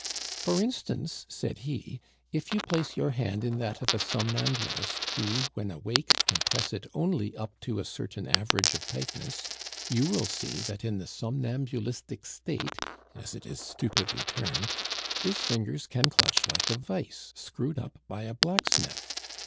"'For instance,' said he, 'if you place your hand in that of a somnambulist who, when awake, can press it only up to a certain average of tightness, you will see that in the somnambulistic state as it is stupidly termed his fingers can clutch like a vise screwed up by a blacksmith.